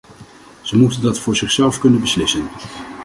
Ze moeten dat voor zichzelf kunnen beslissen.